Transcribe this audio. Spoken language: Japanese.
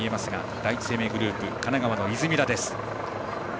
第一生命グループ神奈川の出水田。